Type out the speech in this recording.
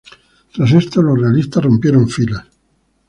Tras esto, los realistas rompieron filas.